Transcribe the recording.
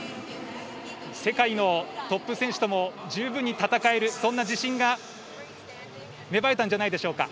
世界のトップ選手とも十分に戦えるそんな自信が芽生えたんじゃないでしょうか。